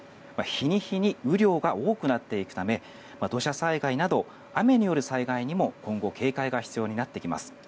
日に日に雨量が多くなっていくため土砂災害など雨による災害にも今後、警戒が必要になってきます。